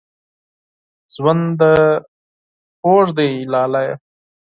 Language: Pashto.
ژوند دې خوږ دی لالیه